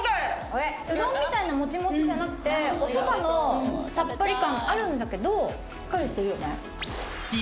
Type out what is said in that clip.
うどんみたいなもちもちじゃなくておそばのさっぱり感あるんだけどしっかりしてるよね。